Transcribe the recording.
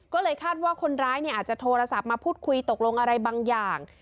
ก็เลยคาดว่าคนร้ายอาจจะโทรศัพท์มาพูดคุยตกลงอะไรบางอย่าง